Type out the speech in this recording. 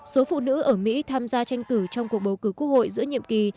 số phụ nữ ở mỹ tham gia tranh cử trong cuộc bầu cử quốc hội giữa nhiệm kỳ